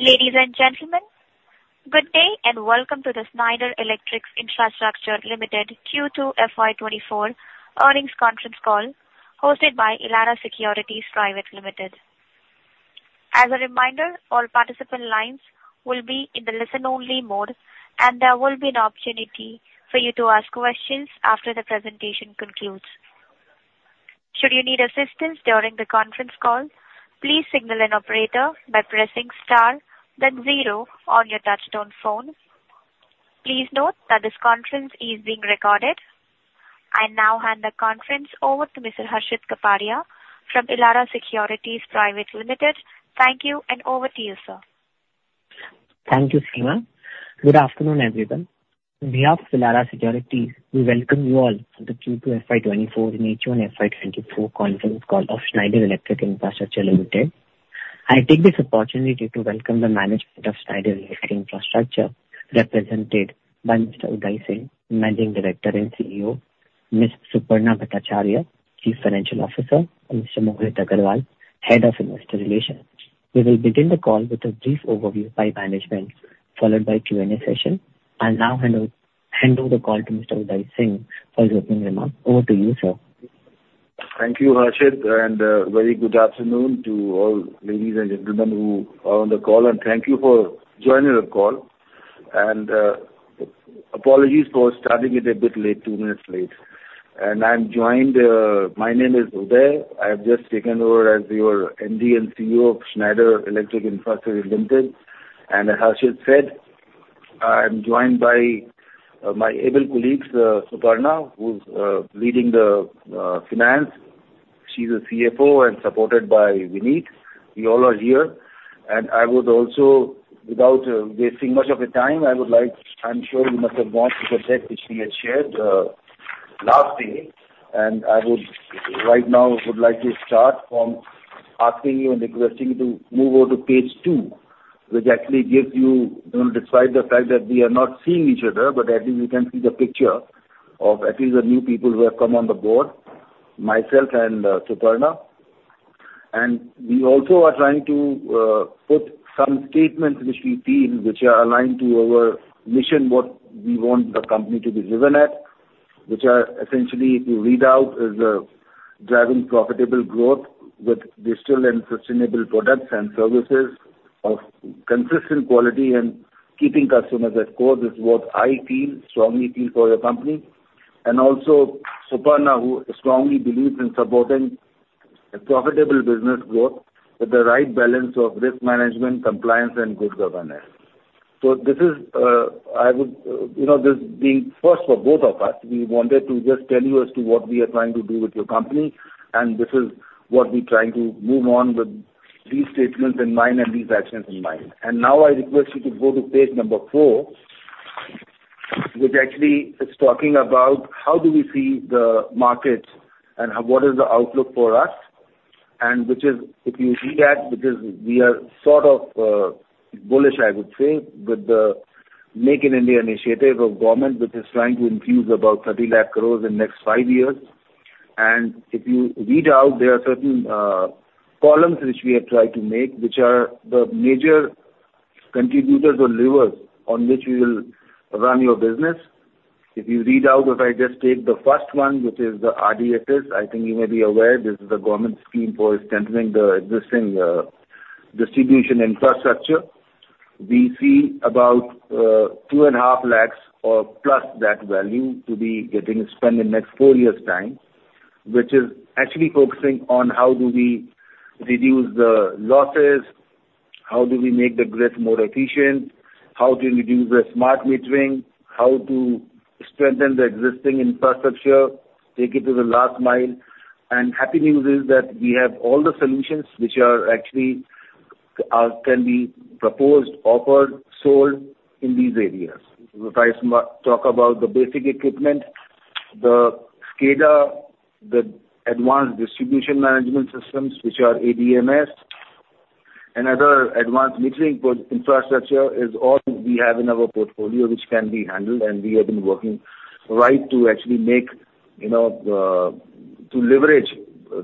Ladies and gentlemen, good day, and welcome to the Schneider Electric Infrastructure Ltd Q2 FY 2024 earnings conference call, hosted by Elara Securities Private Ltd. As a reminder, all participant lines will be in the listen-only mode, and there will be an opportunity for you to ask questions after the presentation concludes. Should you need assistance during the conference call, please signal an operator by pressing star then zero on your touchtone phone. Please note that this conference is being recorded. I now hand the conference over to Mr. Harshit Kapadia from Elara Securities Private Ltd. Thank you, and over to you, sir. Thank you, Seema. Good afternoon, everyone. On behalf of Elara Securities, we welcome you all to the Q2 FY 2024 and H1 FY 2024 conference call of Schneider Electric Infrastructure Ltd. I take this opportunity to welcome the management of Schneider Electric Infrastructure, represented by Mr. Udai Singh, Managing Director and CEO, Ms. Suparna Bhattacharyya, Chief Financial Officer, and Mr. Mohit Aggarwal, Head of Investor Relations. We will begin the call with a brief overview by management, followed by Q&A session. I'll now handle the call to Mr. Udai Singh for his opening remarks. Over to you, sir. Thank you, Harshit, and, very good afternoon to all ladies and gentlemen who are on the call, and thank you for joining the call. Apologies for starting it a bit late, 2 minutes late. I'm joined... My name is Udai. I've just taken over as your MD and CEO of Schneider Electric Infrastructure Ltd, and as Harshit said, I'm joined by, my able colleagues, Suparna, who's, leading the, finance. She's a CFO and supported by Vineet. We all are here. And I would also, without wasting much of the time, I would like. I'm sure you must have gone through the deck which we had shared last day, and I would, right now, would like to start from asking you and requesting you to move over to page two, which actually gives you, you know, despite the fact that we are not seeing each other, but at least we can see the picture of at least the new people who have come on the board, myself and Suparna. And we also are trying to put some statements which we feel, which are aligned to our mission, what we want the company to be driven at, which are essentially, if you read out, is driving profitable growth with digital and sustainable products and services of consistent quality and keeping customers at core. This is what I feel, strongly feel for the company. And also Suparna, who strongly believes in supporting a profitable business growth with the right balance of risk management, compliance and good governance. So this is, I would, you know, this being first for both of us, we wanted to just tell you as to what we are trying to do with your company, and this is what we're trying to move on with these statements in mind and these actions in mind. Now I request you to go to page number four, which actually is talking about how do we see the market and what is the outlook for us, and which is, if you read that, because we are sort of, bullish, I would say, with the Make in India initiative of government, which is trying to infuse about 3 lakh crore in next five years. If you read out, there are certain, columns which we have tried to make, which are the major contributors or levers on which we will run your business. If you read out, what I just said, the first one, which is the RDSS, I think you may be aware, this is the government scheme for strengthening the existing, distribution infrastructure. We see about 2.5 lakh or plus that value to be getting spent in next four years' time, which is actually focusing on how do we reduce the losses, how do we make the grid more efficient, how to reduce the smart metering, how to strengthen the existing infrastructure, take it to the last mile. Happy news is that we have all the solutions which are actually can be proposed, offered, sold in these areas. If I smart-talk about the basic equipment, the SCADA, the Advanced Distribution Management Systems, which are ADMS, and other advanced metering infrastructure, is all we have in our portfolio, which can be handled, and we have been working right to actually make, you know, to leverage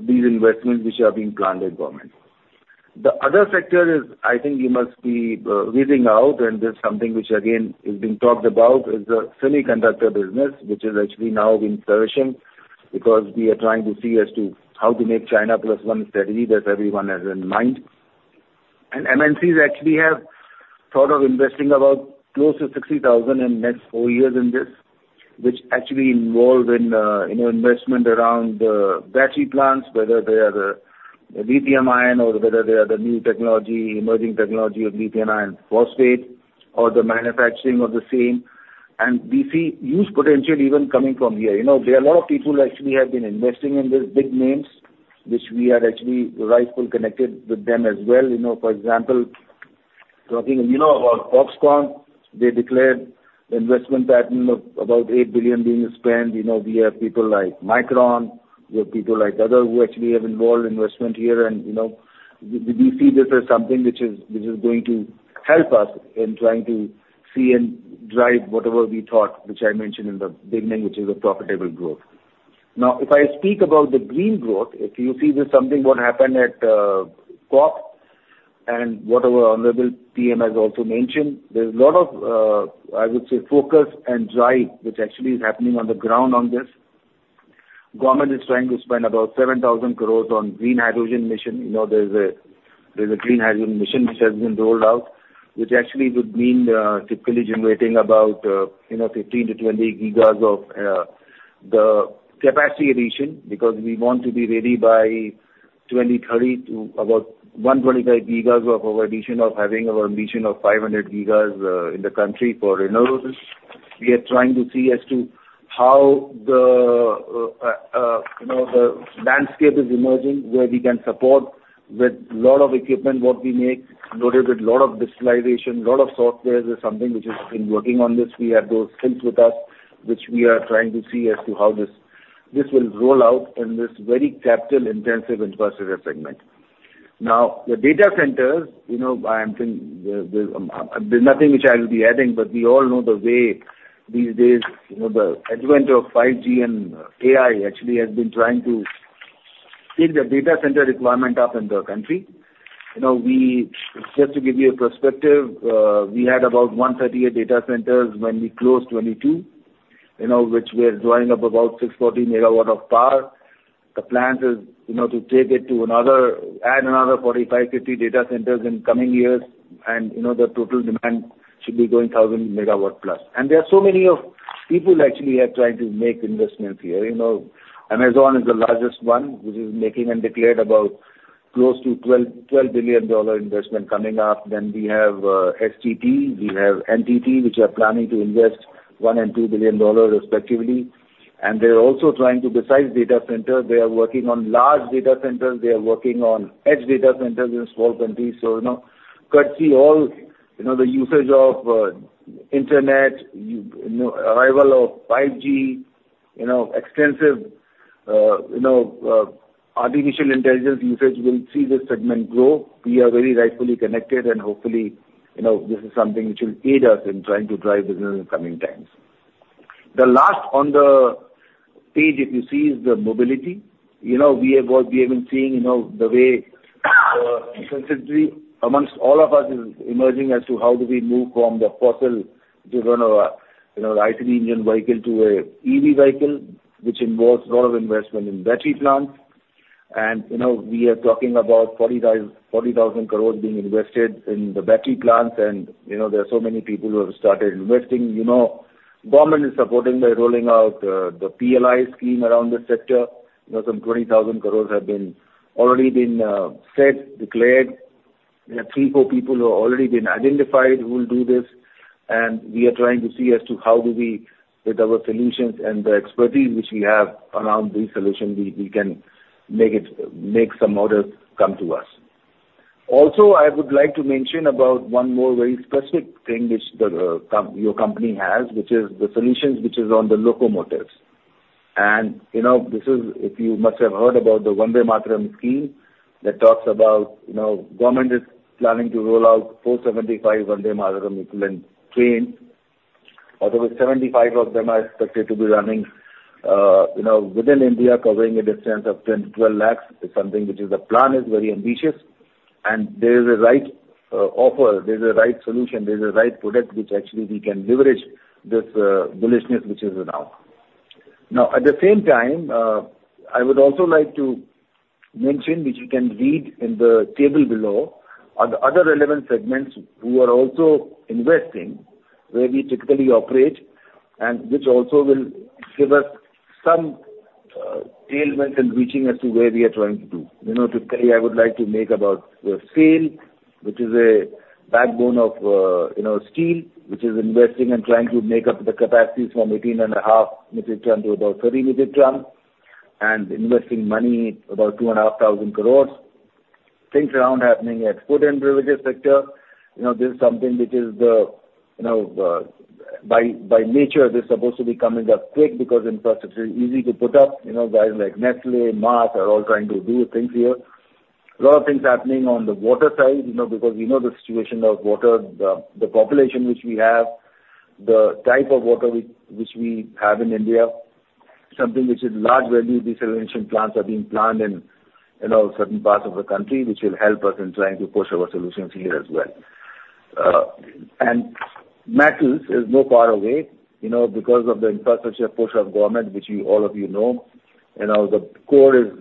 these investments which are being planned in government. The other sector is, I think you must be reading out, and this is something which again is being talked about, is the semiconductor business, which is actually now in flourishing because we are trying to see as to how to make China Plus One strategy that everyone has in mind. And MNCs actually have thought of investing about close to 60,000 in next four years in this, which actually involve in, you know, investment around battery plants, whether they are the lithium-ion or whether they are the new technology, emerging technology of lithium iron phosphate or the manufacturing of the same. And we see huge potential even coming from here. You know, there are a lot of people who actually have been investing in this, big names, which we are actually rightfully connected with them as well. You know, for example, talking, you know about Foxconn, they declared investment pattern of about $8 billion being spent. You know, we have people like Micron, we have people like other, who actually have involved investment here, and, you know, we, we see this as something which is, which is going to help us in trying to see and drive whatever we thought, which I mentioned in the beginning, which is a profitable growth. Now, if I speak about the green growth, if you see there's something what happened at COP, and what our honorable PM has also mentioned, there's a lot of, I would say, focus and drive which actually is happening on the ground on this. Government is trying to spend about 7,000 crore on green hydrogen mission. You know, there's a green hydrogen mission which has been rolled out, which actually would mean, typically generating about, you know, 15-20 gigas of the capacity addition, because we want to be ready by 2030 to about 125 gigas of our addition of having our ambition of 500 gigas in the country for renewables. We are trying to see as to how the, you know, the landscape is emerging, where we can support with lot of equipment what we make, loaded with lot of digitalization, lot of softwares is something which has been working on this. We have those skills with us, which we are trying to see as to how this, this will roll out in this very capital-intensive infrastructure segment. Now, the data centers, you know, there's nothing which I'll be adding, but we all know the way these days, you know, the advent of 5G and AI actually has been trying to take the data center requirement up in the country. You know, just to give you a perspective, we had about 138 data centers when we closed 22, you know, which we are drawing up about 640 MW of power. The plan is, you know, to take it to another—add another 45-50 data centers in coming years. And, you know, the total demand should be going 1,000 MW plus. And there are so many of people actually are trying to make investments here. You know, Amazon is the largest one, which is making and declared about close to $12 billion investment coming up. Then we have SGT, we have NTT, which are planning to invest $1 billion and $2 billion respectively. And they're also trying to, besides data center, they are working on large data centers, they are working on edge data centers in small countries. So, you know, courtesy all, you know, the usage of internet, you know, arrival of 5G, you know, extensive artificial intelligence usage will see this segment grow. We are very rightfully connected, and hopefully, you know, this is something which will aid us in trying to drive business in coming times. The last on the page, if you see, is the mobility. You know, we have all, we have been seeing, you know, the way, sensitivity amongst all of us is emerging as to how do we move from the fossil to run our, you know, IC engine vehicle to a EV vehicle, which involves a lot of investment in battery plants. You know, we are talking about 40,000 crore being invested in the battery plants. You know, there are so many people who have started investing. You know, government is supporting by rolling out the PLI Scheme around this sector. You know, some 20,000 crore have been, already been, set, declared. There are 3 or 4 people who have already been identified who will do this, and we are trying to see as to how do we, with our solutions and the expertise which we have around these solutions, we can make some orders come to us. Also, I would like to mention about one more very specific thing which your company has, which is the solutions which is on the locomotives. And, you know, this is, if you must have heard about the Vande Mataram scheme, that talks about, you know, government is planning to roll out 475 Vande Mataram equivalent trains. Out of which 75 of them are expected to be running, you know, within India, covering a distance of 10-12 lakhs. It's something which is the plan is very ambitious, and there is a right offer, there is a right solution, there is a right product, which actually we can leverage this bullishness, which is now. Now, at the same time, I would also like to mention, which you can read in the table below, on the other relevant segments, we are also investing where we typically operate, and which also will give us some tailwind in reaching as to where we are trying to do. You know, today, I would like to make about the scale, which is a backbone of you know, steel, which is investing and trying to make up the capacities from 18.5 million tons to about 30 million tons, and investing money, about 2,500 crores. Things around happening at food and beverages sector. You know, this is something which is, you know, by, by nature, this is supposed to be coming up quick because infrastructure is easy to put up. You know, guys like Nestlé, Mars, are all trying to do things here. A lot of things happening on the water side, you know, because we know the situation of water, the population which we have, the type of water which we have in India, something which is large value desalination plants are being planned in, you know, certain parts of the country, which will help us in trying to push our solutions here as well. And metals is not far away, you know, because of the infrastructure push of government, which you, all of you know. You know, the core is,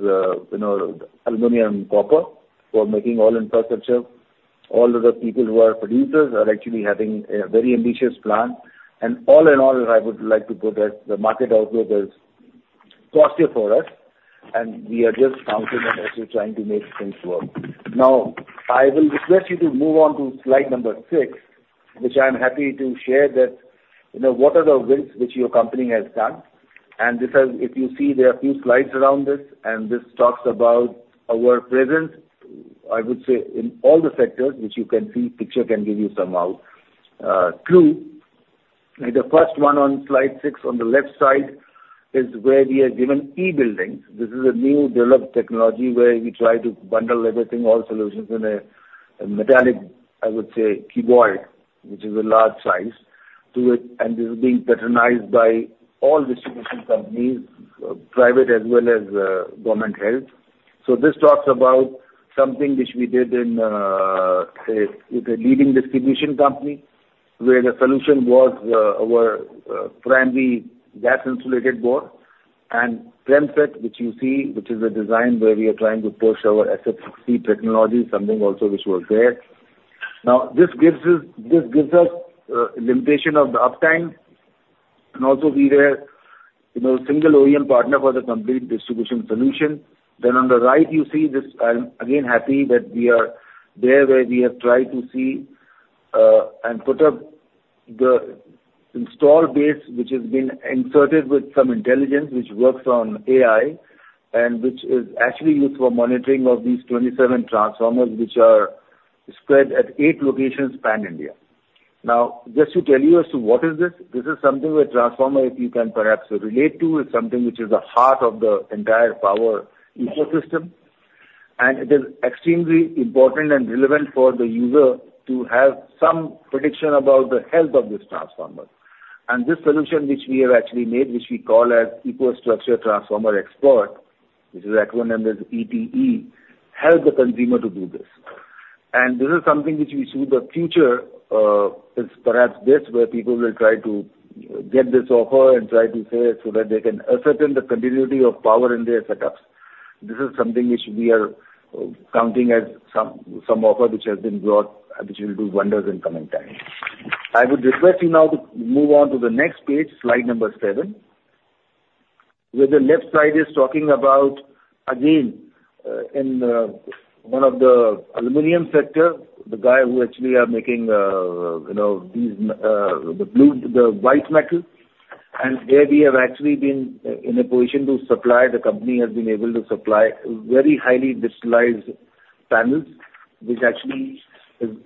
you know, aluminum, copper, for making all infrastructure. All of the people who are producers are actually having a very ambitious plan. All in all, I would like to put it, the market outlook is positive for us, and we are just counting and also trying to make things work. Now, I will request you to move on to slide number six, which I'm happy to share that, you know, what are the wins which your company has done. And this is, if you see, there are a few slides around this, and this talks about our presence, I would say, in all the sectors, which you can see, picture can give you some out, clue. The first one on slide six, on the left side, is where we have given e-Buildings. This is a new developed technology where we try to bundle everything, all solutions in a, a metallic, I would say, enclosure, which is a large size to it, and this is being patronized by all distribution companies, private as well as government-held. So this talks about something which we did in, say, with a leading distribution company, where the solution was our primary gas insulated switchgear and PremSet, which you see, which is a design where we are trying to push our SF6 technology, something also which was there. Now, this gives us, this gives us limitation of the uptime, and also we were, you know, single OEM partner for the complete distribution solution. Then on the right, you see this. I'm again happy that we are there, where we have tried to see and put up the installed base, which has been inserted with some intelligence, which works on AI, and which is actually used for monitoring of these 27 transformers, which are spread at 8 locations pan-India. Now, just to tell you as to what is this? This is something where transformer, if you can perhaps relate to, is something which is the heart of the entire power ecosystem. And it is extremely important and relevant for the user to have some prediction about the health of this transformer. And this solution, which we have actually made, which we call as EcoStruxure Transformer Expert, which is acronymed as ETE, helps the consumer to do this. This is something which we see the future is perhaps this, where people will try to get this offer and try to say, so that they can ascertain the continuity of power in their setups. This is something which we are counting as some offer which has been brought, which will do wonders in coming time. I would request you now to move on to the next page, slide number seven, where the left side is talking about, again, in one of the aluminium sector, the guy who actually are making, you know, these, the blue, the white metal. And there we have actually been in a position to supply. The company has been able to supply very highly digitalized panels, which actually is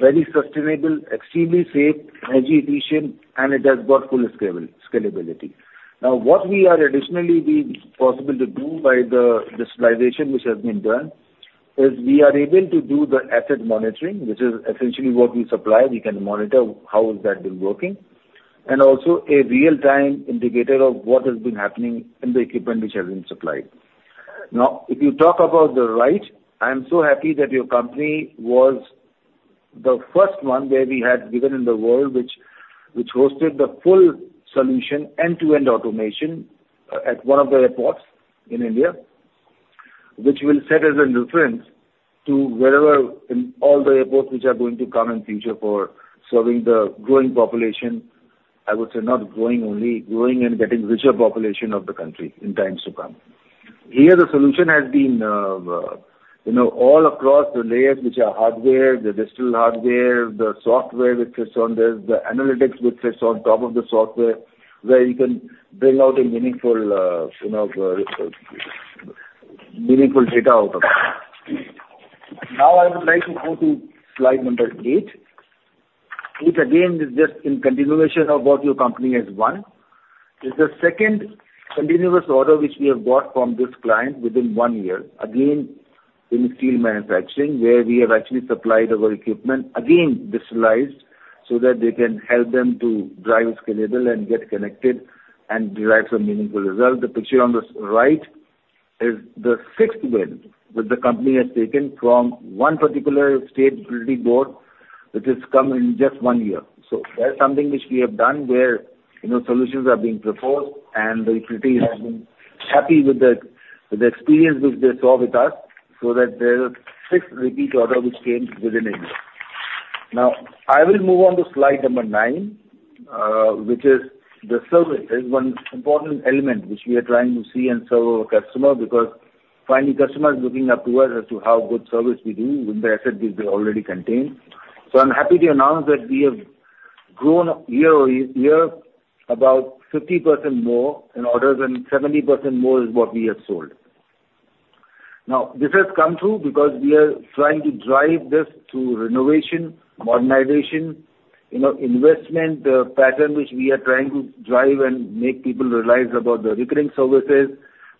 very sustainable, extremely safe, energy efficient, and it has got full scale, scalability. Now, what we are additionally been possible to do by the digitalization which has been done, is we are able to do the asset monitoring, which is essentially what we supply. We can monitor how has that been working, and also a real-time indicator of what has been happening in the equipment which has been supplied. Now, if you talk about the right, I am so happy that your company was the first one where we had given in the world which, which hosted the full solution, end-to-end automation, at one of the airports in India, which will set as a reference to wherever in all the airports which are going to come in future for serving the growing population. I would say not growing, only growing and getting richer population of the country in times to come. Here, the solution has been, you know, all across the layers, which are hardware, the digital hardware, the software which sits on this, the analytics which sits on top of the software, where you can bring out a meaningful, you know, meaningful data out of it. Now, I would like to go to slide number eight, which again, is just in continuation of what your company has won. It's the second continuous order which we have got from this client within one year. Again, in steel manufacturing, where we have actually supplied our equipment, again, digitalized, so that they can help them to drive scalable and get connected and derive some meaningful results. The picture on the right is the sixth win that the company has taken from one particular state utility board, which has come in just one year. So that's something which we have done where, you know, solutions are being proposed, and the utility has been happy with the, with the experience which they saw with us, so that there is a sixth repeat order which came within a year. Now, I will move on to slide number nine, which is the service. There's one important element which we are trying to see and serve our customer, because finally, customer is looking up to us as to how good service we do with the assets which they already contain. So I'm happy to announce that we have grown year-over-year about 50% more in orders, and 70% more is what we have sold. Now, this has come through because we are trying to drive this through renovation, modernization, you know, investment, pattern, which we are trying to drive and make people realize about the recurring services.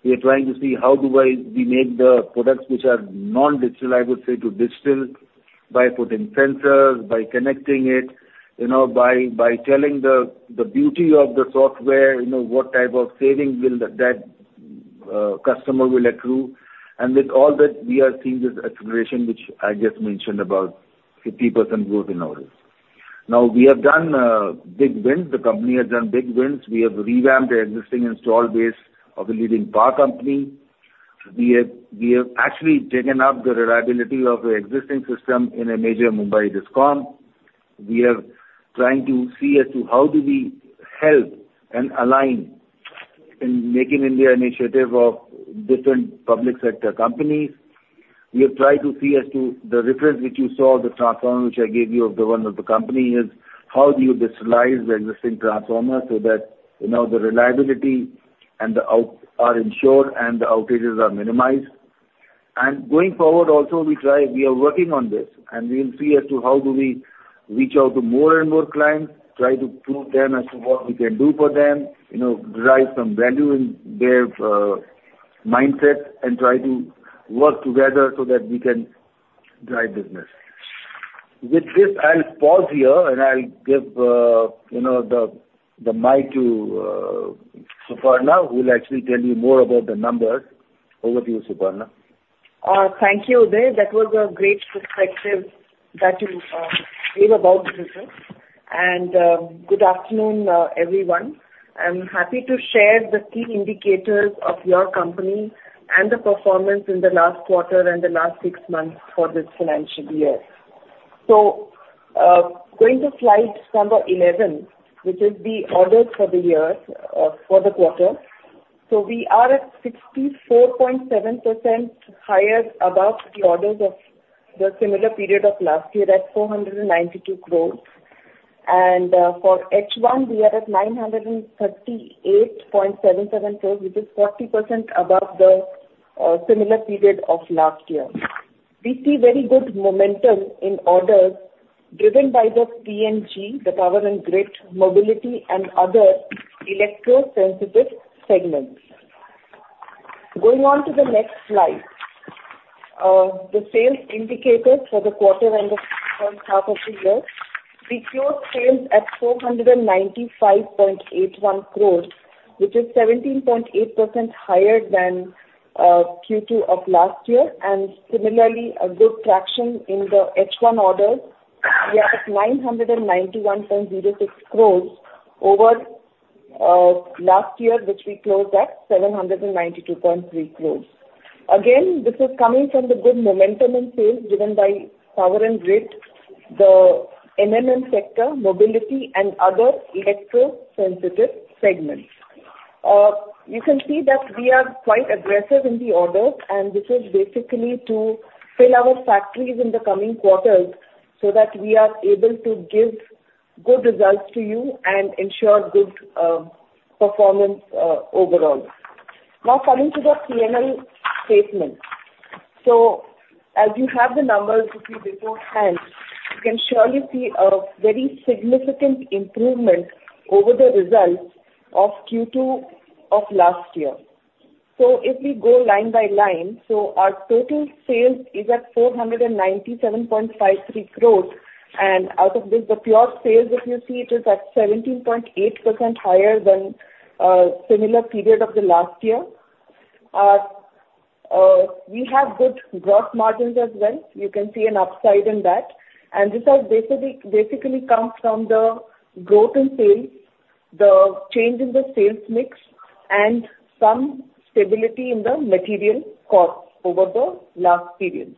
We are trying to see we make the products which are non-digital, I would say, to digital, by putting sensors, by connecting it, you know, by telling the beauty of the software, you know, what type of savings will that customer will accrue. And with all that, we are seeing this acceleration, which I just mentioned, about 50% growth in orders. Now, we have done big wins. The company has done big wins. We have revamped the existing installed base of a leading power company. We have actually taken up the reliability of the existing system in a major Mumbai discom. We are trying to see as to how do we help and align in Make in India initiative of different public sector companies. We have tried to see as to the reference which you saw, the transformer, which I gave you of the one of the company, is how do you digitalize the existing transformer so that, you know, the reliability and the outages are ensured and the outages are minimized. And going forward also, we are working on this, and we will see as to how do we reach out to more and more clients, try to prove them as to what we can do for them, you know, derive some value in their mindset, and try to work together so that we can drive business. With this, I'll pause here, and I'll give, you know, the mic to, Suparna, who will actually tell you more about the numbers. Over to you, Suparna. Thank you, Udai. That was a great perspective that you gave about the business. Good afternoon, everyone. I'm happy to share the key indicators of your company and the performance in the last quarter and the last six months for this financial year. Going to slide number 11, which is the orders for the year, for the quarter. We are at 64.7% higher above the orders of the similar period of last year, at 492 crores. For H1, we are at 938.77 crores, which is 40% above the similar period of last year. We see very good momentum in orders driven by the PNG, the power and grid, mobility, and other electro-sensitive segments. Going on to the next slide. The sales indicators for the quarter and the first half of the year. We closed sales at 495.81 crores, which is 17.8% higher than Q2 of last year, and similarly, a good traction in the H1 orders. We are at INR 991.06 crores over last year, which we closed at INR 792.3 crores. Again, this is coming from the good momentum in sales driven by power and grid, the M&M sector, mobility, and other electro-sensitive segments. You can see that we are quite aggressive in the orders, and this is basically to fill our factories in the coming quarters so that we are able to give good results to you and ensure good performance overall. Now, coming to the P&L statement. So as you have the numbers with you beforehand, you can surely see a very significant improvement over the results of Q2 of last year. If we go line by line, our total sales is at 497.53 crores, and out of this, the pure sales, if you see, it is at 17.8% higher than similar period of the last year. We have good gross margins as well. You can see an upside in that. And this has basically comes from the growth in sales, the change in the sales mix, and some stability in the material costs over the last periods.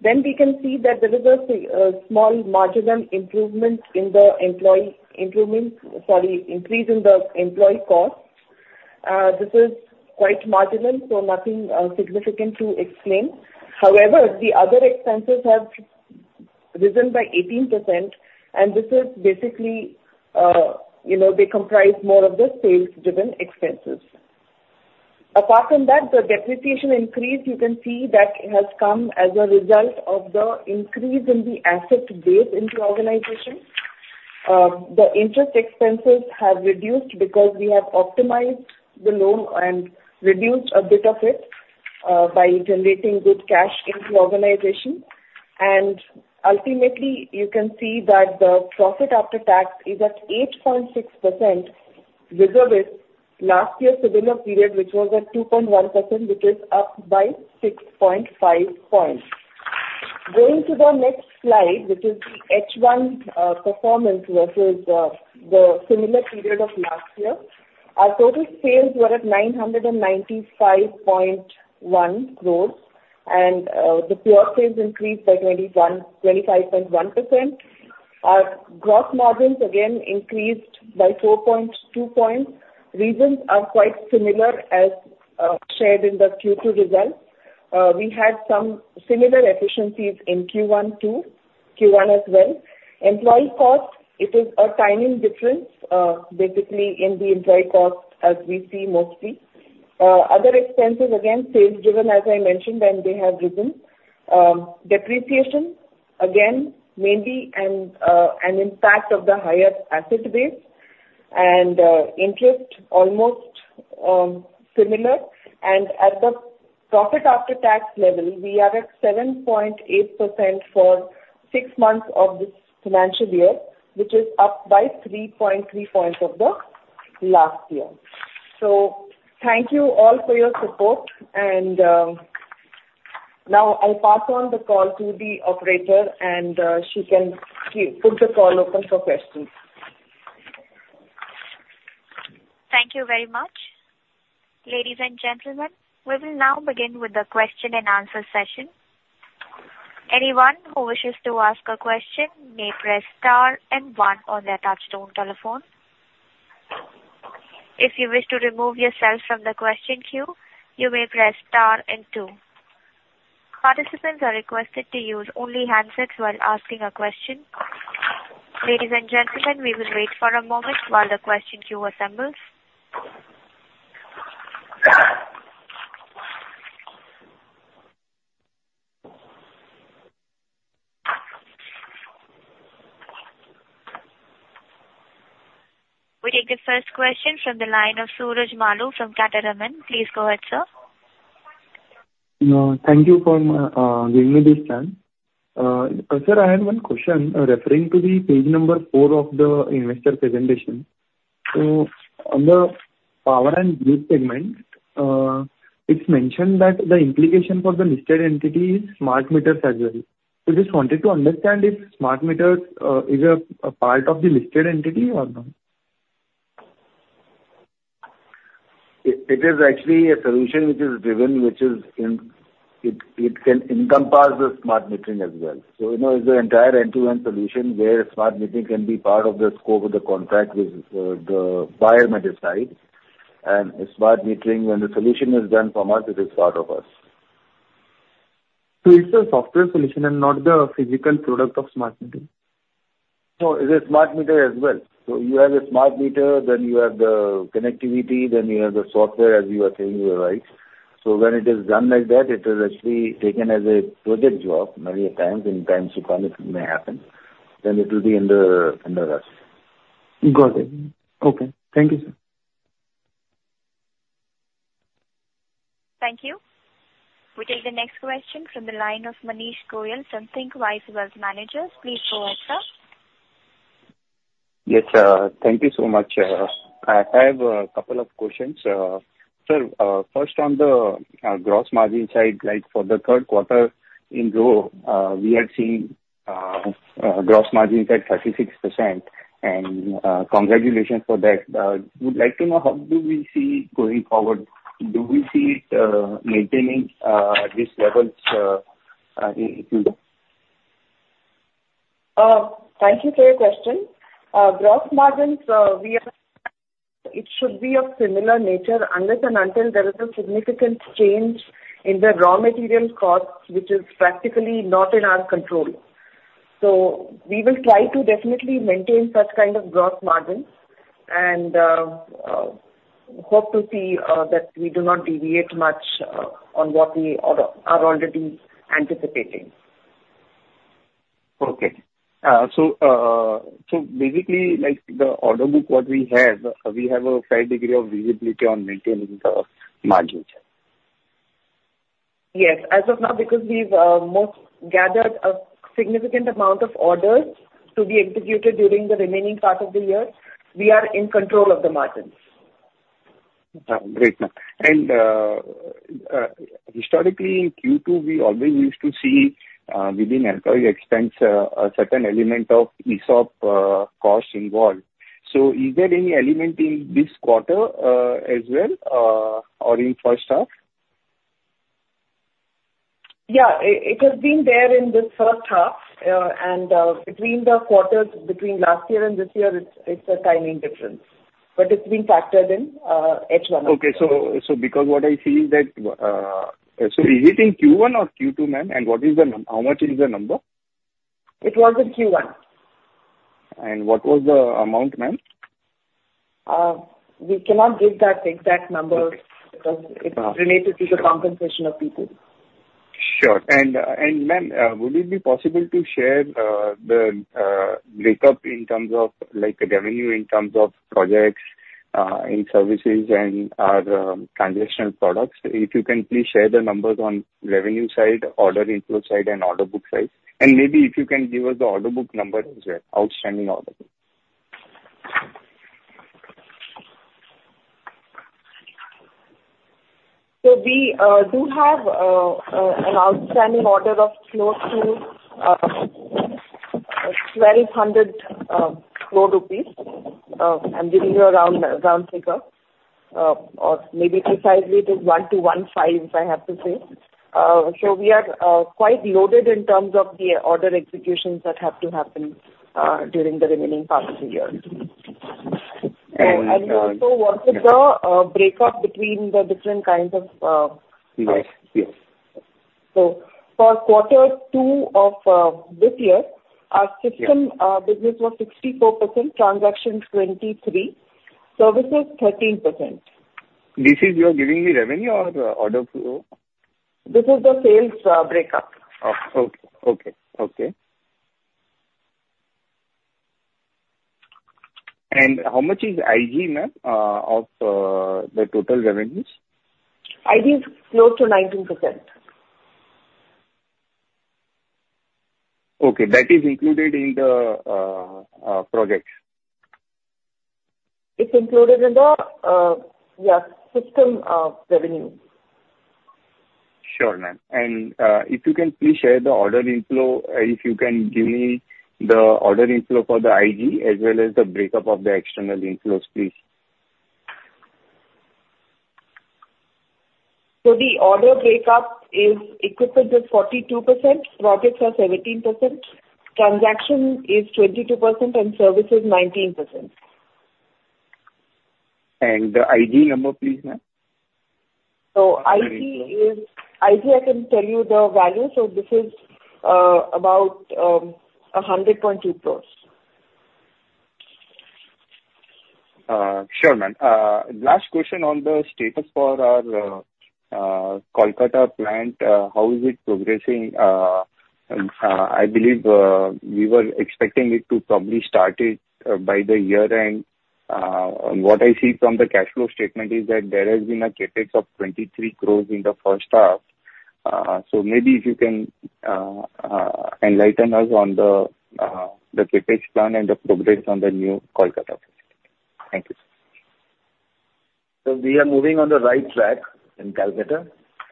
Then we can see that there is a small marginal increase in the employee costs. This is quite marginal, so nothing significant to explain. However, the other expenses have risen by 18%, and this is basically, you know, they comprise more of the sales-driven expenses. Apart from that, the depreciation increase, you can see that has come as a result of the increase in the asset base into organization. The interest expenses have reduced because we have optimized the loan and reduced a bit of it, by generating good cash into organization. And ultimately, you can see that the profit after tax is at 8.6%, which was last year's similar period, which was at 2.1%, which is up by 6.5 points. Going to the next slide, which is the H1 performance versus the similar period of last year. Our total sales were at 995.1 crores, and the pure sales increased by 25.1%. Our gross margins again increased by 4.2 points. Reasons are quite similar, as shared in the Q2 results. We had some similar efficiencies in Q1 to Q1 as well. Employee costs, it is a timing difference, basically in the employee costs, as we see mostly. Other expenses, again, sales driven, as I mentioned, and they have risen. Depreciation, again, mainly an impact of the higher asset base. And interest, almost similar. And at the profit after tax level, we are at 7.8% for six months of this financial year, which is up by 3.3 points of the last year. So thank you all for your support. Now I'll pass on the call to the operator, and she can please put the call open for questions. Thank you very much. Ladies and gentlemen, we will now begin with the question and answer session. Anyone who wishes to ask a question may press star and one on their touchtone telephone. If you wish to remove yourself from the question queue, you may press star and two. Participants are requested to use only handsets while asking a question. Ladies and gentlemen, we will wait for a moment while the question queue assembles... We take the first question from the line of Suraj Malu from Catamaran. Please go ahead, sir. Thank you for giving me this chance. Sir, I had one question referring to the page number four of the investor presentation. So on the power and grid segment, it's mentioned that the implication for the listed entity is smart meters as well. So just wanted to understand if smart meters is a part of the listed entity or not? It is actually a solution which is given, it can encompass the smart metering as well. So, you know, it's the entire end-to-end solution, where smart metering can be part of the scope of the contract with the buyer may decide. And smart metering, when the solution is done from us, it is part of us. It's a software solution and not the physical product of smart metering? No, it's a smart meter as well. So you have a smart meter, then you have the connectivity, then you have the software, as you are saying, you are right. So when it is done like that, it is actually taken as a project job many a times, in times to come, it may happen, then it will be under, under us. Got it. Okay. Thank you, sir. Thank you. We take the next question from t`he line of Manish Goyal from Thinqwise Wealth Managers. Please go ahead, sir. Yes, thank you so much. I have a couple of questions. Sir, first on the gross margin side, like for the third quarter in row, we are seeing gross margin at 36%, and congratulations for that. Would like to know, how do we see going forward? Do we see it maintaining this levels in future? Thank you for your question. Gross margins, it should be of similar nature, unless and until there is a significant change in the raw material costs, which is practically not in our control. So we will try to definitely maintain such kind of gross margins, and hope to see that we do not deviate much on what we are already anticipating. Okay. So, so basically, like the order book, what we have, we have a fair degree of visibility on maintaining the margin? Yes. As of now, because we've most gathered a significant amount of orders to be executed during the remaining part of the year, we are in control of the margins. Great, ma'am. And historically, in Q2, we always used to see within employee expense a certain element of ESOP costs involved. So is there any element in this quarter as well or in first half? Yeah, it has been there in this first half. And, between the quarters between last year and this year, it's a timing difference, but it's been factored in, H1. Okay. So, because what I see is that, so is it in Q1 or Q2, ma'am, and what is the num- how much is the number? It was in Q1. What was the amount, ma'am? We cannot give that exact number- Okay. because it's related to the compensation of people. Sure. And, ma'am, would it be possible to share the breakup in terms of like the revenue, in terms of projects, in services and other transitional products? If you can please share the numbers on revenue side, order inflow side, and order book side, and maybe if you can give us the order book number as well, outstanding order book. So we do have an outstanding order of close to 1,200 crore rupees. I'm giving you a round round figure or maybe precisely it is 1,100-1,150 crore, if I have to say. So we are quite loaded in terms of the order executions that have to happen during the remaining part of the year. And, uh- We also wanted the breakup between the different kinds of Yes. Yes. For quarter two of this year, our system- Yeah. Business was 64%, transaction 23%, services 13%. This is, you're giving me revenue or order flow? This is the sales breakup. Oh, okay. Okay, okay. And how much is IG, ma'am, of the total revenues? IG is close to 19%. Okay, that is included in the projects? It's included in the system revenue. Sure, ma'am. If you can please share the order inflow, if you can give me the order inflow for the IG, as well as the breakup of the external inflows, please. The order breakup is: equipment is 42%, projects are 17%, transaction is 22%, and services 19%. The IG number, please, ma'am. So IG is... IG, I can tell you the value. So this is about 100.2 crore. Sure, ma'am. Last question on the status for our Kolkata plant, how is it progressing? I believe we were expecting it to probably start it by the year-end. What I see from the cash flow statement is that there has been a CapEx of 23 crore in the first half. So maybe if you can enlighten us on the CapEx plan and the progress on the new Kolkata project. Thank you. We are moving on the right track in Kolkata,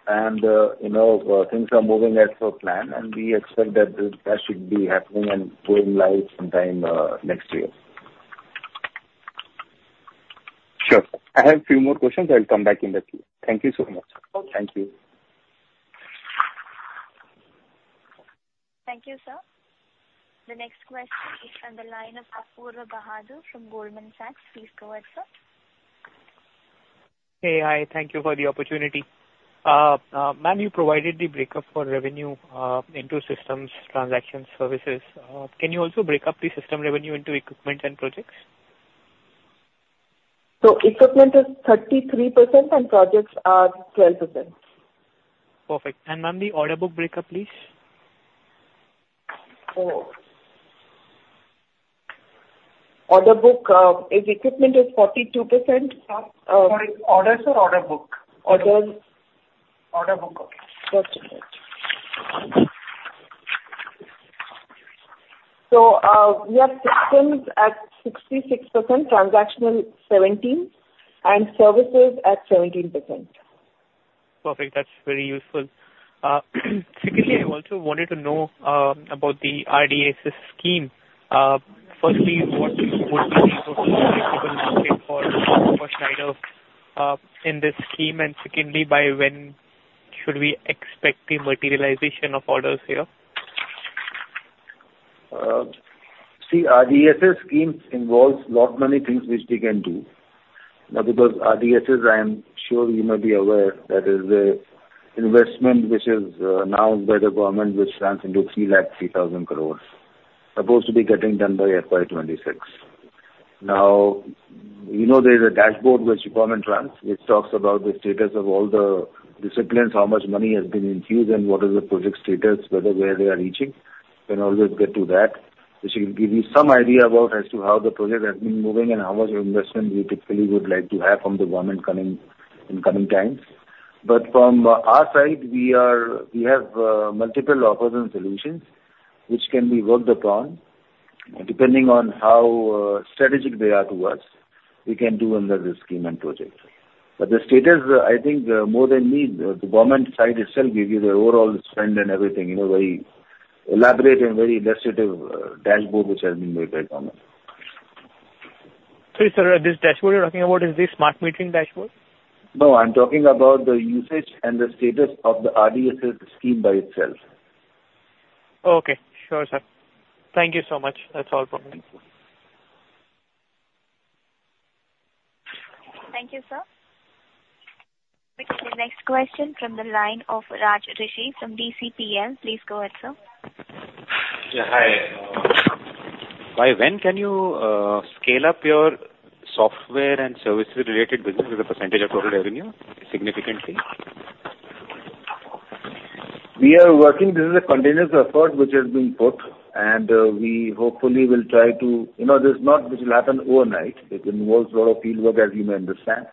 and, you know, things are moving as per plan, and we expect that this should be happening and going live sometime next year. Sure. I have a few more questions. I'll come back in the queue. Thank you so much. Okay. Thank you. Thank you, sir. The next question is from the line of Apoorva Bahadur from Goldman Sachs. Please go ahead, sir. Hey. Hi, thank you for the opportunity. Ma'am, you provided the breakup for revenue into systems, transactions, services. Can you also break up the system revenue into equipment and projects? Equipment is 33% and projects are 12%. Perfect. Ma'am, the order book breakup, please? Oh. Order book is equipment is 42%. Sorry, orders or order book? Orders. Order book, okay. Perfect. So, we have systems at 66%, transactional 17%, and services at 17%. Perfect. That's very useful. Secondly, I also wanted to know about the RDSS scheme. Firstly, what would be the for, for Schneider in this scheme? And secondly, by when should we expect the materialization of orders here? See, RDSS scheme involves lot many things which we can do. Now, because RDSS, I am sure you might be aware, that is a investment which is announced by the government, which runs into 303,000 crore, supposed to be getting done by FY 2026. Now, you know, there's a dashboard which government runs, which talks about the status of all the disciplines, how much money has been infused, and what is the project status, whether where they are reaching. Can always get to that, which will give you some idea about as to how the project has been moving and how much investment we typically would like to have from the government coming in coming times. But from our side, we have multiple offers and solutions which can be worked upon, depending on how strategic they are to us, we can do under this scheme and projects. But the status, I think, more than me, the government side itself give you the overall spend and everything in a very elaborate and very illustrative dashboard, which has been made by the government. Sorry, sir, this dashboard you're talking about, is this smart metering dashboard? No, I'm talking about the usage and the status of the RDSS scheme by itself. Okay. Sure, sir. Thank you so much. That's all from me. Thank you, sir. We take the next question from the line of Raj Rishi from DCPL. Please go ahead, sir. Yeah, hi. By when can you scale up your software and services related business as a percentage of total revenue significantly? We are working. This is a continuous effort which has been put, and, we hopefully will try to... You know, this is not; this will happen overnight. It involves a lot of fieldwork, as you may understand.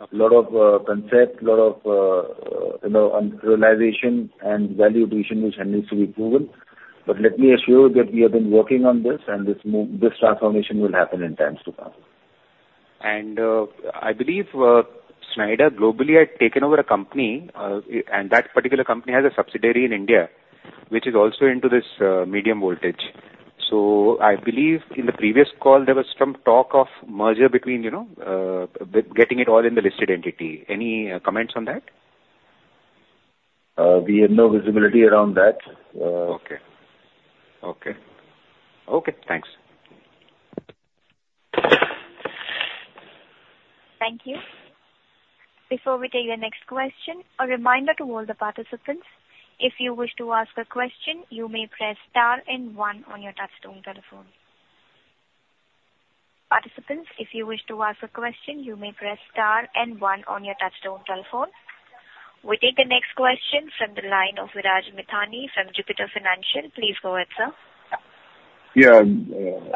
A lot of concept, a lot of you know, on realization and value addition, which needs to be proven. But let me assure you that we have been working on this, and this transformation will happen in times to come. I believe Schneider globally had taken over a company, and that particular company has a subsidiary in India, which is also into this medium voltage. So I believe in the previous call, there was some talk of merger between, you know, with getting it all in the listed entity. Any comments on that? We have no visibility around that. Okay. Okay. Okay, thanks. Thank you. Before we take the next question, a reminder to all the participants, if you wish to ask a question, you may press star and one on your touch-tone telephone. Participants, if you wish to ask a question, you may press star and one on your touch-tone telephone. We take the next question from the line of Viraj Mithani from Jupiter Financial. Please go ahead, sir. Yeah,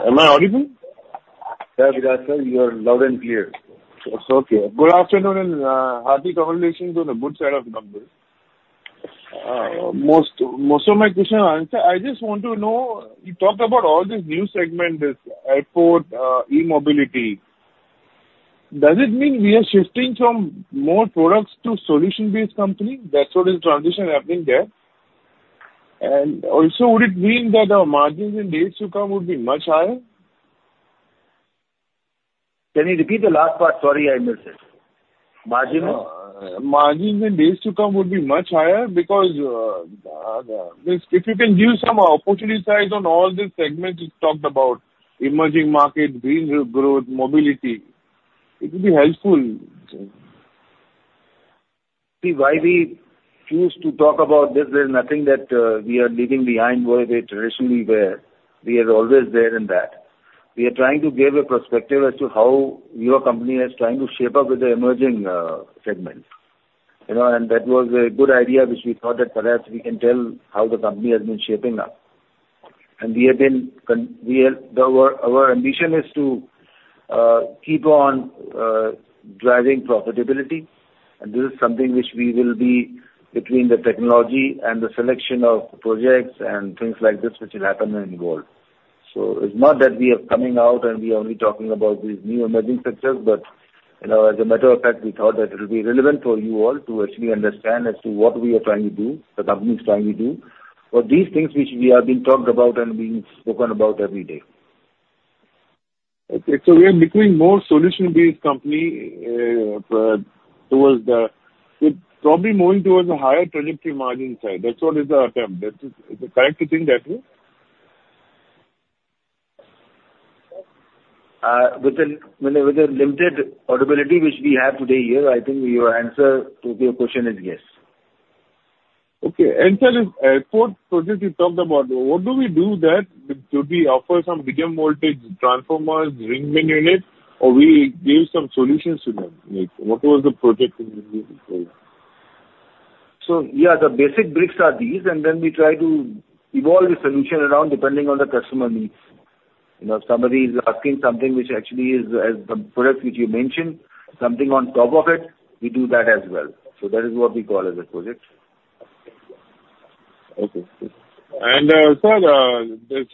am I audible? Yeah, Viraj sir, you are loud and clear. Okay. Good afternoon, and happy congratulations on the good set of numbers. Most of my questions are answered. I just want to know, you talked about all these new segment, this airport, e-mobility. Does it mean we are shifting from more products to solution-based company? That's what is transition happening there. And also, would it mean that our margins in days to come would be much higher? Can you repeat the last part? Sorry, I missed it. Margins? Margins in days to come would be much higher because. If you can give some opportunity size on all these segments you talked about, emerging market, green growth, mobility, it will be helpful. See, why we choose to talk about this, there's nothing that we are leaving behind where we traditionally were. We are always there in that... We are trying to give a perspective as to how your company is trying to shape up with the emerging segment. You know, and that was a good idea, which we thought that perhaps we can tell how the company has been shaping up. And we have been—we are—our ambition is to keep on driving profitability, and this is something which we will be between the technology and the selection of projects and things like this, which will happen in the world. So it's not that we are coming out, and we are only talking about these new emerging sectors, but, you know, as a matter of fact, we thought that it will be relevant for you all to actually understand as to what we are trying to do, the company is trying to do. But these things which we have been talked about and being spoken about every day. Okay, so we are becoming more solution-based company, towards probably moving towards a higher trajectory margin side. That's what is the attempt. That is the correct to think that way? With the limited audibility which we have today here, I think your answer to your question is yes. Okay. And sir, this port project you talked about, what do we do that? Do we offer some medium voltage transformers, ring main unit, or we give some solutions to them? Like, what was the project you were doing before? So yeah, the basic bricks are these, and then we try to evolve the solution around, depending on the customer needs. You know, somebody is asking something which actually is as the product which you mentioned, something on top of it, we do that as well. So that is what we call as a project. Okay. And, sir, this,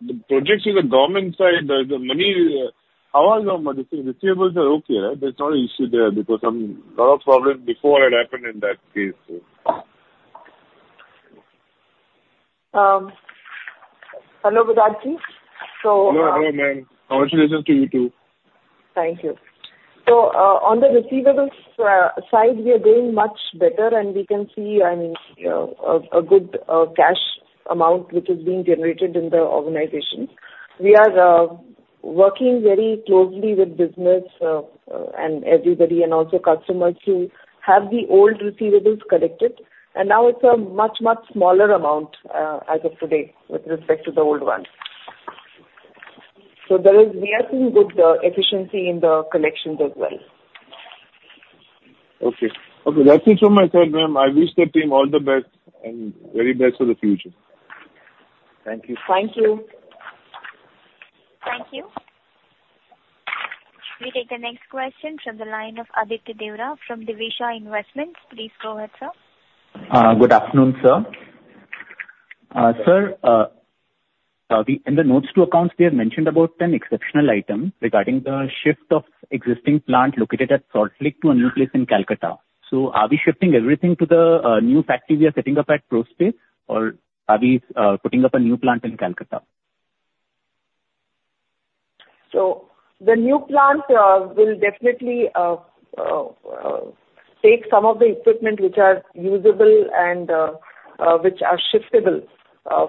the projects in the government side, the, the money, how are the receivables are okay, right? There's not an issue there, because some lot of problems before had happened in that case. Hello, Viraj. Hello, hello, ma'am. How much listen to you, too? Thank you. So, on the receivables side, we are doing much better, and we can see, I mean, a good cash amount which is being generated in the organization. We are working very closely with business and everybody and also customers to have the old receivables collected. And now it's a much, much smaller amount as of today, with respect to the old one. So, we are seeing good efficiency in the collections as well. Okay. Okay, that's it from my side, ma'am. I wish the team all the best and very best for the future. Thank you. Thank you. Thank you. We take the next question from the line of Aditya Deorah from Divisha Investments. Please go ahead, sir. Good afternoon, sir. Sir, in the notes to accounts, we have mentioned about an exceptional item regarding the shift of existing plant located at Salt Lake to a new place in Calcutta. So are we shifting everything to the new factory we are setting up at ProSpace, or are we putting up a new plant in Calcutta? The new plant will definitely take some of the equipment which are usable and which are shiftable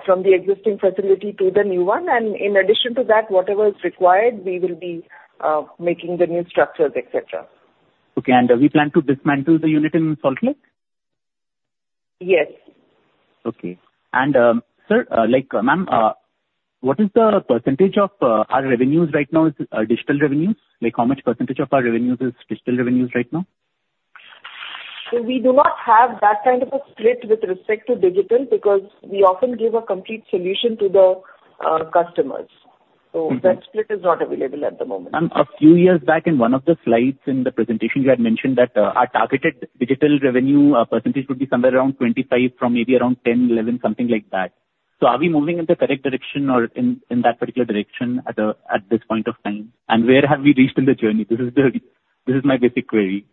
from the existing facility to the new one. In addition to that, whatever is required, we will be making the new structures, et cetera. Okay. Do we plan to dismantle the unit in Salt Lake? Yes. Okay. And, sir, like, ma'am, what is the percentage of our revenues right now is digital revenues? Like, how much percentage of our revenues is digital revenues right now? So we do not have that kind of a split with respect to digital, because we often give a complete solution to the customers. Mm-hmm. That split is not available at the moment. Ma'am, a few years back, in one of the slides in the presentation, you had mentioned that, our targeted digital revenue percentage would be somewhere around 25 from maybe around 10, 11, something like that. So are we moving in the correct direction or in that particular direction at this point of time? And where have we reached in the journey? This is my basic query.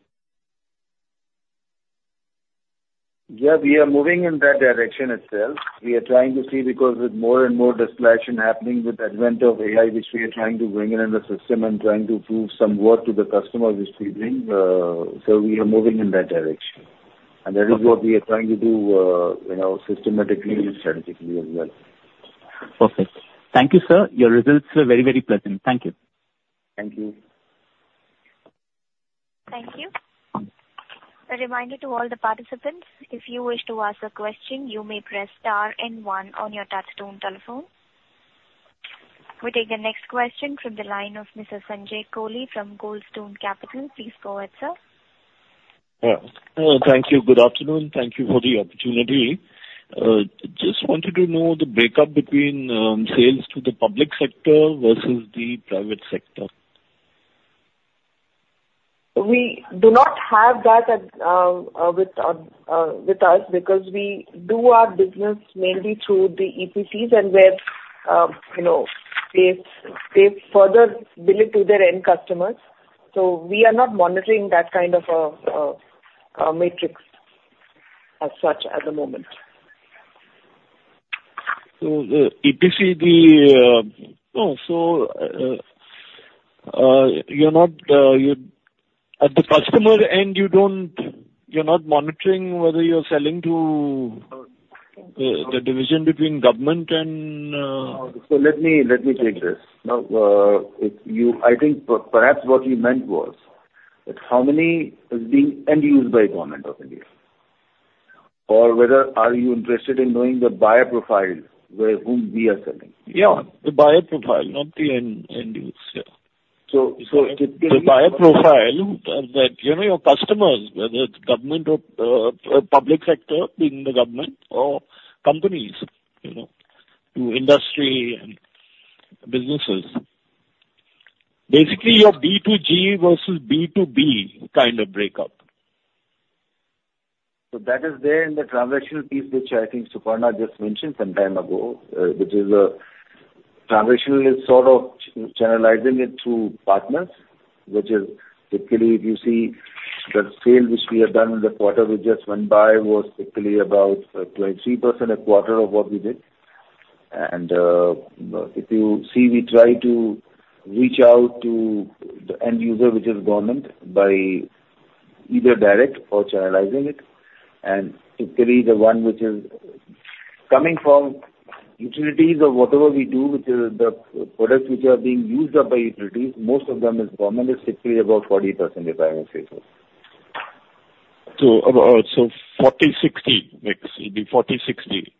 Yeah, we are moving in that direction itself. We are trying to see, because with more and more disruption happening with the advent of AI, which we are trying to bring in in the system and trying to prove some worth to the customer this evening, so we are moving in that direction. Okay. That is what we are trying to do, you know, systematically and strategically as well. Perfect. Thank you, sir. Your results are very, very pleasant. Thank you. Thank you. Thank you. A reminder to all the participants, if you wish to ask a question, you may press star and one on your touchtone telephone. We take the next question from the line of Mr. Sanjay Kohli from Goldstone Capital. Please go ahead, sir. Thank you. Good afternoon. Thank you for the opportunity. Just wanted to know the breakup between sales to the public sector versus the private sector? We do not have that with us, because we do our business mainly through the EPCs and, you know, they further bill it to their end customers. So we are not monitoring that kind of metrics as such at the moment. So the EPC, the... Oh, so, you're not... At the customer end, you don't, you're not monitoring whether you're selling to, the division between government and... So let me take this. Now, if you, I think perhaps what you meant was, that how many is being end-used by Government of India?... or whether are you interested in knowing the buyer profile, where, whom we are selling? Yeah, the buyer profile, not the end user. So, so- The buyer profile, that you know your customers, whether it's government or, public sector in the government or companies, you know, to industry and businesses. Basically, your B2G versus B2B kind of breakup. So that is there in the transactional piece, which I think Suparna just mentioned some time ago, which is transactional is sort of channelizing it through partners, which is typically, if you see the sale which we have done in the quarter we just went by was typically about 23% a quarter of what we did. And if you see, we try to reach out to the end user, which is government, by either direct or channelizing it, and typically the one which is coming from utilities or whatever we do, which is the products which are being used up by utilities, most of them is government, it's typically about 40%, if I may say so. So about 40-60 mix, it'll be 40-60.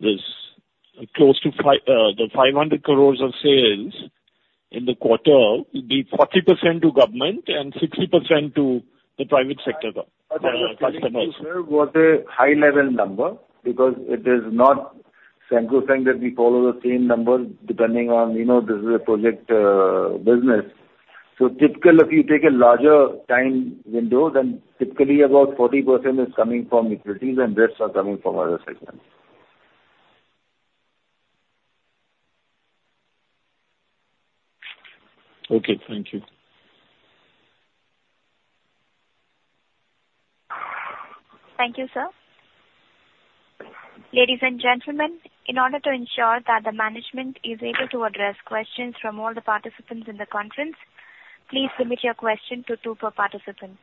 There's close to 500 crores of sales in the quarter would be 40% to government and 60% to the private sector customers. Sir, was a high level number because it is not same to same that we follow the same number, depending on, you know, this is a project business. So typical, if you take a larger time window, then typically about 40% is coming from utilities and rest are coming from other segments. Okay, thank you. Thank you, sir. Ladies and gentlemen, in order to ensure that the management is able to address questions from all the participants in the conference, please limit your question to two per participant.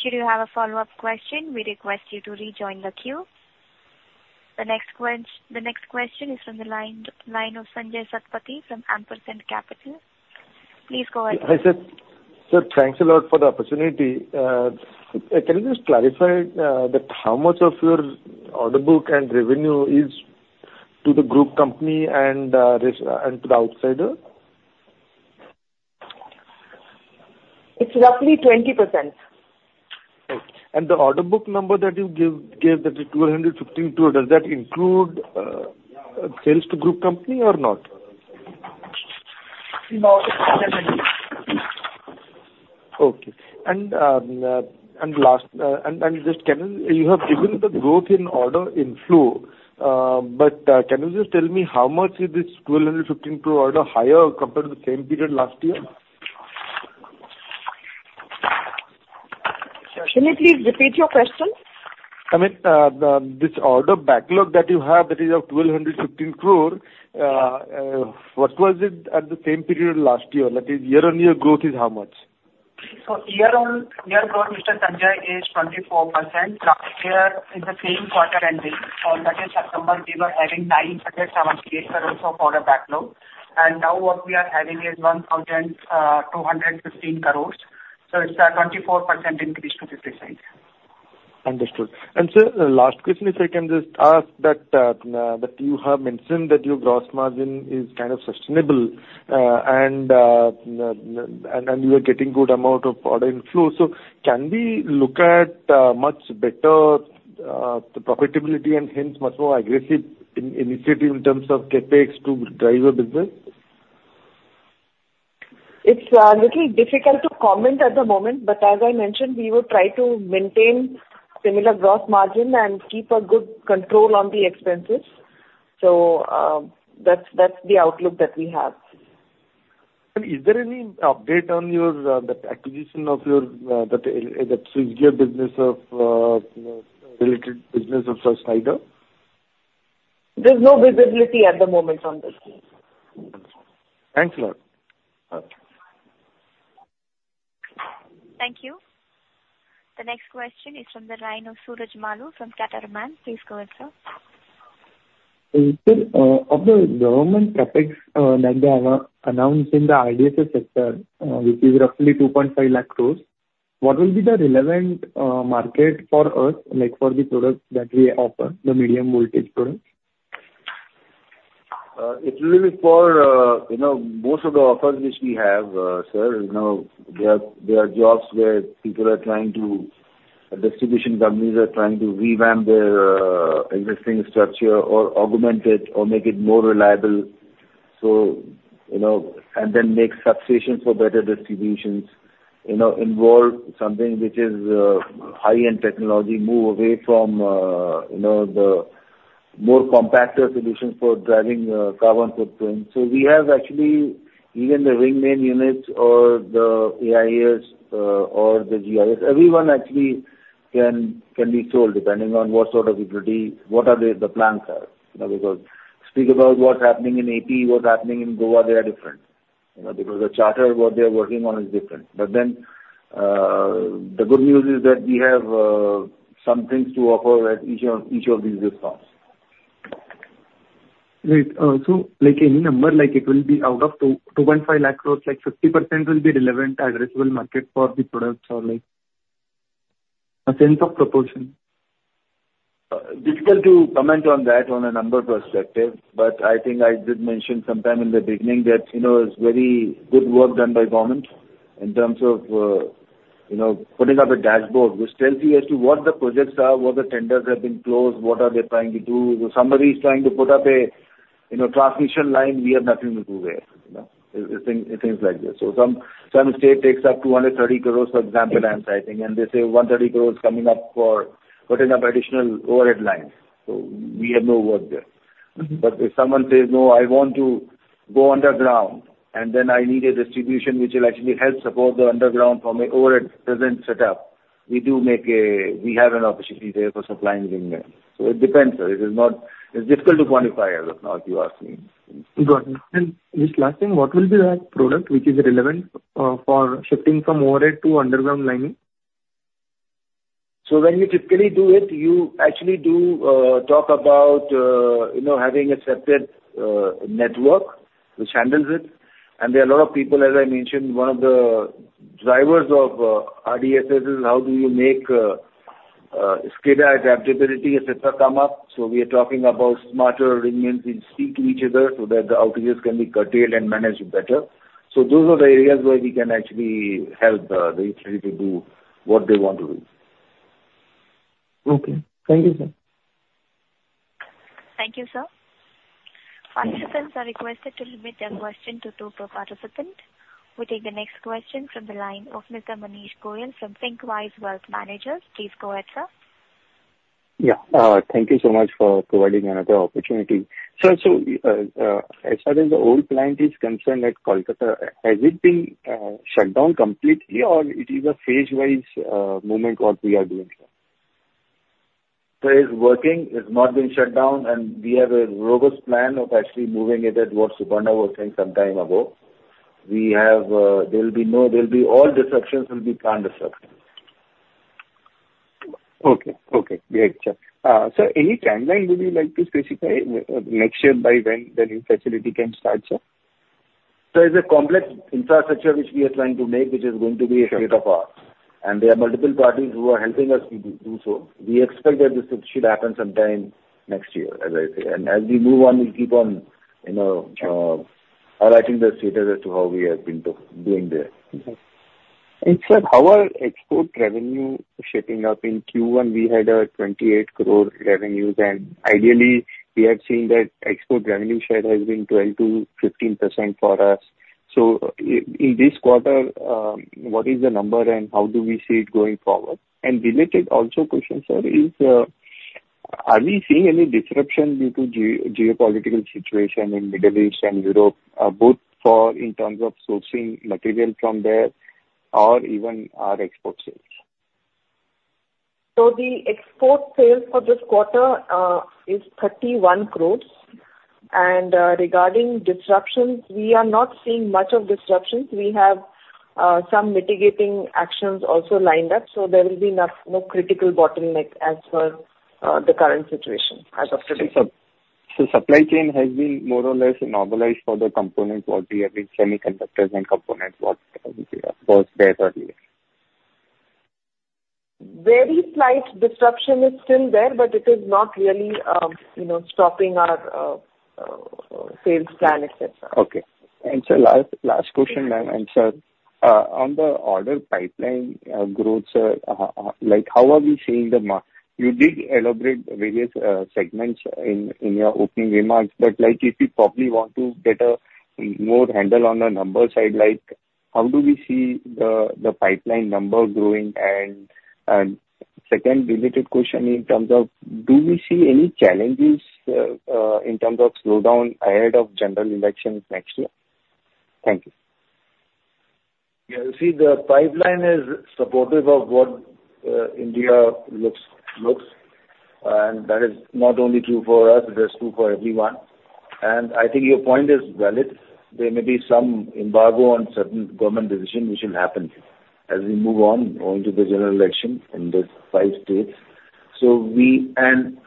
Should you have a follow-up question, we request you to rejoin the queue. The next question is from the line of Sanjaya Satapathy from Ampersand Capital. Please go ahead. Hi, sir. Sir, thanks a lot for the opportunity. Can you just clarify that how much of your order book and revenue is to the group company and to the outsider? It's roughly 20%. Right. And the order book number that you give- gave, that is 215 crore, does that include sales to group company or not? No, it doesn't. Okay. And last, just can you... You have given the growth in order in flow, but, can you just tell me, how much is this 1,215 crore order higher compared to the same period last year? Can you please repeat your question? I mean, this order backlog that you have, that is of 1,215 crore, what was it at the same period last year? That is, year-on-year growth is how much? Year-on-year growth, Mr. Sanjaya, is 24%. Last year, in the same quarter ending that is September, we were having INR 978 crore of order backlog, and now what we are having is 1,215 crore. It's a 24% increase to this side. Understood. And sir, last question, if I can just ask that you have mentioned that your gross margin is kind of sustainable, and you are getting good amount of order inflow. So can we look at much better profitability and hence much more aggressive initiative in terms of CapEx to drive your business? It's little difficult to comment at the moment, but as I mentioned, we will try to maintain similar gross margin and keep a good control on the expenses. So, that's, that's the outlook that we have. Is there any update on your, the acquisition of your, that Switchgear business of, you know, related business of Schneider? There's no visibility at the moment on this one. Thanks a lot. Okay. Thank you. The next question is from the line of Suraj Malu from Catamaran. Please go ahead, sir. Sir, of the government CapEx that they have announced in the RDSS sector, which is roughly 2.5 lakh crore, what will be the relevant market for us, like for the products that we offer, the medium voltage products? It will be for, you know, most of the offers which we have, sir, you know, there are jobs where people are trying to... The distribution companies are trying to revamp their existing structure or augment it or make it more reliable, so, you know, and then make substation for better distributions, you know, involve something which is high-end technology, move away from, you know, the more compact solutions for driving carbon footprint. So we have actually, even the ring main units or the AIS or the GIS; everyone actually can be sold depending on what sort of utility, what the plans are. Because speak about what's happening in AP, what's happening in Goa, they are different. You know, because the charter, what they're working on is different. But then, the good news is that we have some things to offer at each of these response. Wait, so like any number, like it will be out of 200,000 crore-250,000 crore, like 50% will be relevant addressable market for the products or like a sense of proportion? Difficult to comment on that on a number perspective, but I think I did mention sometime in the beginning that, you know, it's very good work done by government in terms of, you know, putting up a dashboard which tells you as to what the projects are, what the tenders have been closed, what are they trying to do. So somebody's trying to put up a, you know, transmission line, we have nothing to do there, you know. Things like this. So some state takes up 230 crore, for example, and they say 130 crore coming up for putting up additional overhead lines. So we have no work there. Mm-hmm. But if someone says, "No, I want to go underground, and then I need a distribution which will actually help support the underground from the overhead doesn't set up," we do make. We have an opportunity there for supplying ring fence. So it depends. It is not. It's difficult to quantify as of now, if you ask me. Got it. Just last thing, what will be the product which is relevant for shifting from overhead to underground lining? So when you typically do it, you actually do talk about, you know, having a separate network which handles it. And there are a lot of people, as I mentioned, one of the drivers of RDSS is how do you make SCADA adaptability, etc., come up. So we are talking about smarter rings which speak to each other so that the outages can be curtailed and managed better. So those are the areas where we can actually help the utility to do what they want to do. Okay. Thank you, sir. Thank you, sir. Participants are requested to limit their question to two per participant. We'll take the next question from the line of Mr. Manish Goyal from Thinkqwise Wealth Managers. Please go ahead, sir. Yeah. Thank you so much for providing another opportunity. Sir, so, as far as the old plant is concerned at Kolkata, has it been shut down completely, or it is a phase-wise movement what we are doing here? So it's working. It's not been shut down, and we have a robust plan of actually moving it at what Suparna was saying some time ago. There'll be all disruptions will be planned disruptions. Okay. Okay, great. Sure. Sir, any timeline would you like to specify, next year by when the new facility can start, sir? So it's a complex infrastructure which we are trying to make, which is going to be a state-of-the-art. There are multiple parties who are helping us to do so. We expect that this should happen sometime next year, as I say. As we move on, we'll keep on, you know, highlighting the status as to how we have been doing there. And sir, how are export revenue shaping up? In Q1, we had 28 crore revenues, and ideally, we have seen that export revenue share has been 12%-15% for us. So in this quarter, what is the number and how do we see it going forward? And related also question, sir, is, are we seeing any disruption due to geopolitical situation in Middle East and Europe, both for/against sourcing material from there or even our export sales? The export sales for this quarter is 31 crore. Regarding disruptions, we are not seeing much of disruptions. We have some mitigating actions also lined up, so there will be no, no critical bottleneck as per the current situation as of today. So, supply chain has been more or less normalized for the components what we have been, semiconductors and components what was there earlier? Very slight disruption is still there, but it is not really, you know, stopping our sales plan, et cetera. Okay. And sir, last, last question, ma'am. And sir, on the order pipeline growth, sir, like, how are we seeing. You did elaborate various segments in your opening remarks, but like, if you probably want to get a more handle on the numbers side, like, how do we see the pipeline number growing? And, second related question in terms of, do we see any challenges, in terms of slowdown ahead of general elections next year? Thank you. Yeah, you see, the pipeline is supportive of what India looks, and that is not only true for us, it is true for everyone. And I think your point is valid. There may be some embargo on certain government decision which will happen as we move on to the general election in these five states. So we... And,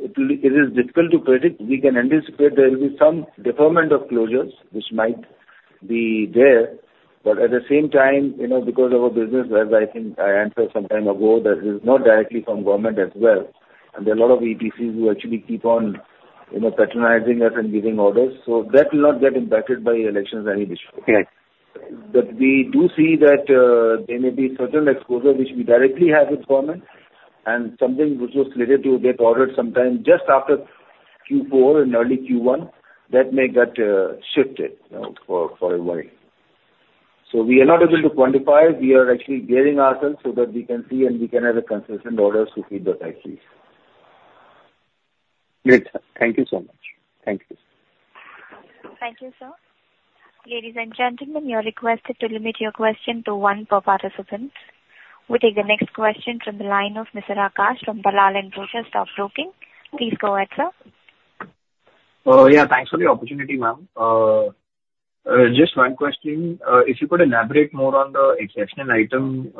it will be. It is difficult to predict. We can anticipate there will be some deferment of closures which might be there. But at the same time, you know, because our business, as I think I answered some time ago, that is not directly from government as well, and there are a lot of EPCs who actually keep on, you know, patronizing us and giving orders, so that will not get impacted by elections any issue. Right. But we do see that there may be certain exposure which we directly have with government and something which was related to that order sometime just after Q4 and early Q1, that may get shifted, you know, for a while. So we are not able to quantify. We are actually gearing ourselves so that we can see and we can have a consistent order to feed the pipes. Great, sir. Thank you so much. Thank you. Thank you, sir. Ladies and gentlemen, you are requested to limit your question to one per participant. We'll take the next question from the line of Mr. Akash from Dalal & Broacha Stock Broking. Please go ahead, sir. Yeah, thanks for the opportunity, ma'am. Just one question. If you could elaborate more on the exceptional item,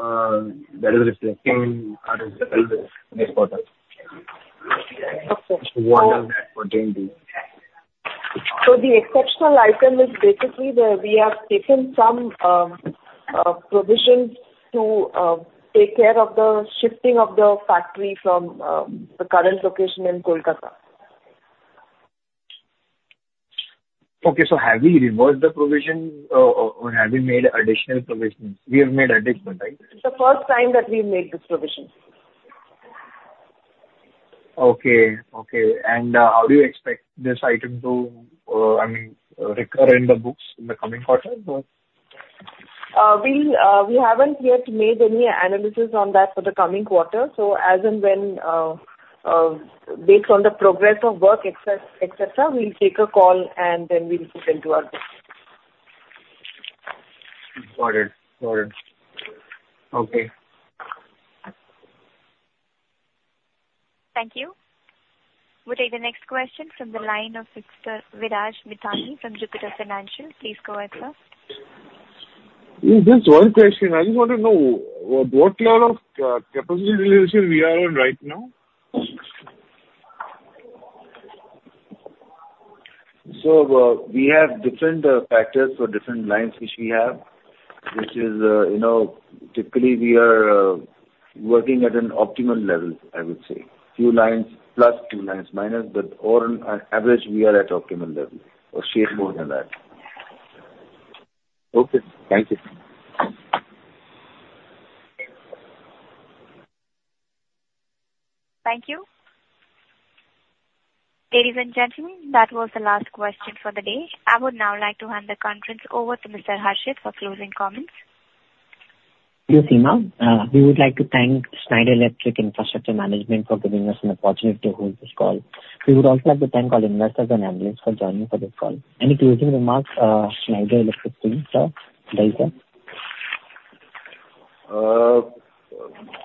that is reflecting in our results this quarter. Okay. What does that contain? The exceptional item is basically where we have taken some provisions to take care of the shifting of the factory from the current location in Kolkata. Okay, so have we reversed the provision or have we made additional provisions? We have made additional, right? It's the first time that we've made this provision. Okay. Okay, and, how do you expect this item to, I mean, recur in the books in the coming quarter? We haven't yet made any analysis on that for the coming quarter. So as and when, based on the progress of work, et cetera, we'll take a call, and then we'll look into our books. Got it. Got it. Okay. Thank you. We'll take the next question from the line of Mr. Viraj Mithani from Jupiter Financial. Please go ahead, sir. Just one question. I just want to know what level of capacity utilization we are on right now? So, we have different factors for different lines which we have, which is, you know, typically we are working at an optimal level, I would say. Few lines plus, few lines minus, but on an average, we are at optimal level or shape more than that. Okay. Thank you. Thank you. Ladies and gentlemen, that was the last question for the day. I would now like to hand the conference over to Mr. Harshit for closing comments. Thank you, Seema. We would like to thank Schneider Electric Infrastructure Management for giving us an opportunity to hold this call. We would also like to thank all investors and analysts for joining for this call. Any closing remarks, Schneider Electric, please, sir? Udai, sir?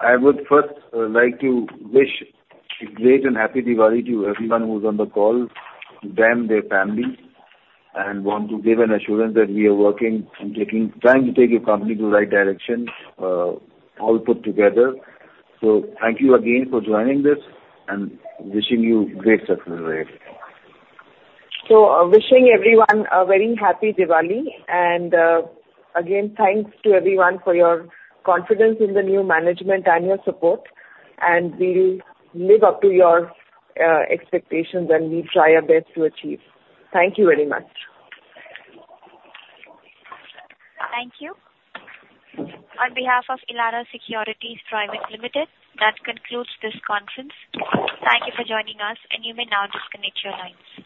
I would first like to wish a great and happy Diwali to everyone who is on the call, them, their family, and want to give an assurance that we are working and trying to take your company to the right direction, all put together. So thank you again for joining this, and wishing you great success ahead. Wishing everyone a very happy Diwali. And again, thanks to everyone for your confidence in the new management and your support, and we will live up to your expectations, and we try our best to achieve. Thank you very much. Thank you. On behalf of Elara Securities Private Ltd, that concludes this conference. Thank you for joining us, and you may now disconnect your lines.